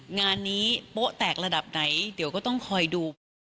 งานนี้โป๊ะแตกระดับไหนเดี๋ยวก็ต้องคอยดูไป